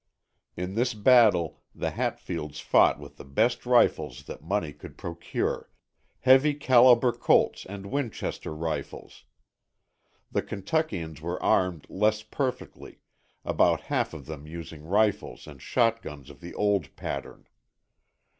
In this battle the Hatfields fought with the best rifles that money could procure, heavy calibre Colts and Winchester rifles. The Kentuckians were armed less perfectly, about half of them using rifles and shotguns of the old pattern.